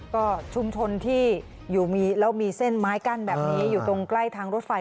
ก็ชุมชนที่แล้วมีเส้นไม้กั้นแบบนี้อยู่ตรงใกล้ทางรถไฟ